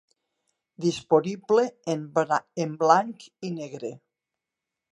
Disponible en blanc i negre.